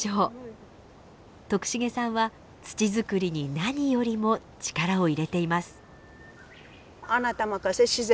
徳重さんは土づくりに何よりも力を入れています。